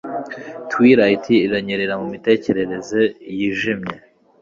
Twilight iranyerera mumitekerereze yijimye